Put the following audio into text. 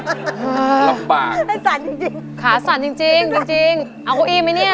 ลำบากให้สั่นจริงจริงขาสั่นจริงจริงจริงจริงเอาคู่อีมไหมเนี้ย